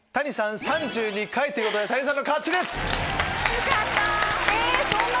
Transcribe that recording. よかった！